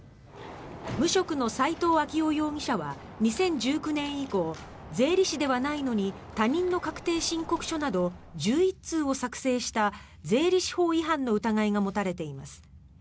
無職の斉藤明雄容疑者は２０１９年以降税理士ではないのに他人の確定申告書など１１通を作成した税理士法違反の疑いが持たれています。